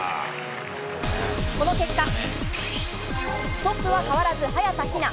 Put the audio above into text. この結果、トップは変わらず早田ひな。